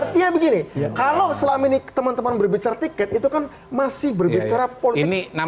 artinya begini kalau selama ini teman teman berbicara tiket itu kan masih berbicara politik